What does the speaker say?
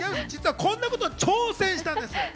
実はこんなことに挑戦したんです。